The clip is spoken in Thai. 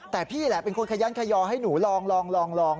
แต่พี่แหละเป็นคนขยันขยอให้หนูลอง